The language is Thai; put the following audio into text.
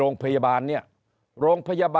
โรงพยาบาลเนี่ย